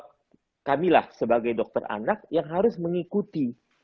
ini tanggung jawab kamilah sebagai dokter anak yang harus mengikuti